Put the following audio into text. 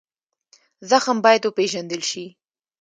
زخم باید وپېژندل شي.